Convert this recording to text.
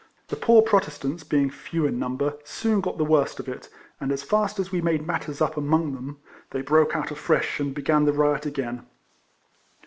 The poor Protest ants (being few in number) soon got the worst of it, and as fast as we made matters RIFLEMAN HARRIS. 13 up among them, they broke out afresh and beo an the riot ao; ain.